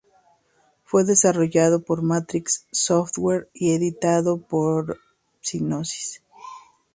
Fue desarrollado por Matrix Software y editado por Psygnosis.